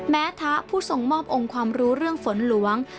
แท้ผู้ส่งมอบองค์ความรู้เรื่องฝนหลวง